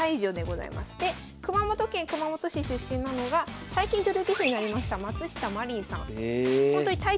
で熊本県熊本市出身なのが最近女流棋士になりました松下舞琳さん。